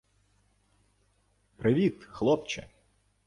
Привіт, хлопче